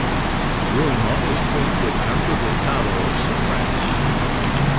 Brunehaut is twinned with Amfreville, Calvados in France.